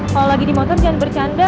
kalau lagi di motor jangan bercanda